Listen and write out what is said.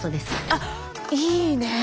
あっいいねえ。